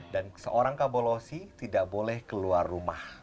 dan seorang kabolosi tidak boleh keluar rumah